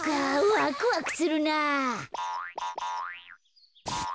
わくわくするな。